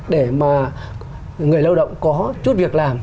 để mà người lao động có chút việc làm